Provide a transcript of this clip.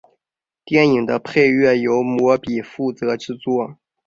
电影的配乐由魔比负责制作。